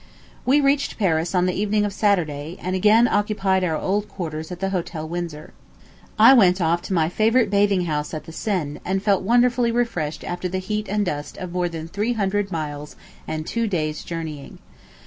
We reached Paris on the evening of Saturday, and again occupied our old quarters at the Hotel Windsor. I went off to my favorite bathing house at the Seine, and felt wondrously refreshed after the heat and dust of more than three hundred miles and two days' journeying.